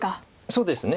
そうですね。